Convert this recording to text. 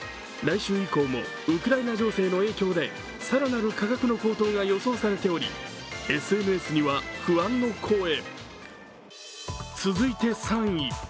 来週以降もウクライナ情勢の影響で更なる価格の高騰が予想されておりＳＮＳには不安の声。